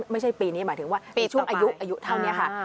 ไม่ใช่ปีนี้หมายถึงว่าปีช่วงอายุเท่านี้ค่ะ